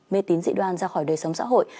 mê tín dị đoan ra khỏi đời sống xã hội